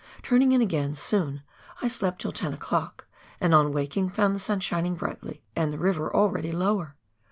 Turning in again soon, I slept till 10 o'clock, and on waking, found the sun shining brightly, and the river already lower.